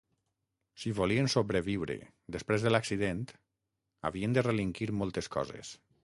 Si volien sobreviure després de l'accident havien de relinquir moltes coses.